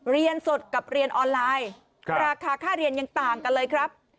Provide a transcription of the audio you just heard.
เรียนสดกับเรียนออนไลน์ราคาค่าเรียนยังต่างกันเลยครับ